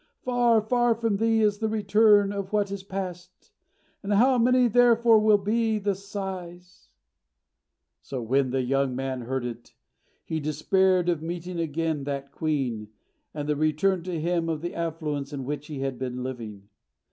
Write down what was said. Far, far from thee is the return of what is passed! And how many therefore will be the sighs!" So when the young man heard it, he despaired of meeting again that queen, and of the return to him of the affluence in which he had been living.